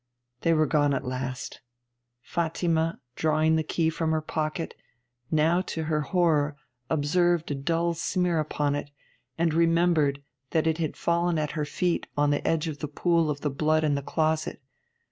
They were gone at last. Fatima, drawing the key from her pocket, now to her horror observed a dull smear upon it, and remembered that it had fallen at her feet on the edge of the pool of blood in the closet.